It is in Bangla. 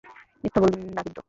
মিথ্যা বলবেন না কিন্তু।